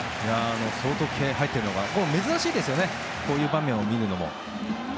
相当、気合が入っていて珍しいですねこういう場面を見るのも。